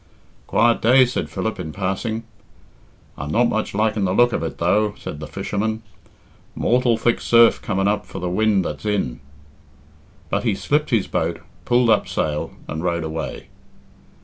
"Quiet day," said Philip in passing. "I'm not much liking the look of it, though," said the fisherman. "Mortal thick surf coming up for the wind that's in." But he slipped his boat, pulled up sail, and rode away.